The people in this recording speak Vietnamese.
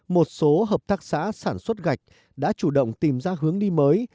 một số hợp tác xã sản xuất gạch đã chủ động tìm ra hướng đi mới